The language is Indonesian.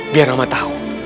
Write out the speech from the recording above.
biar mama tahu